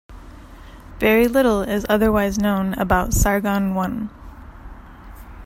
Very little is otherwise known about Sargon I.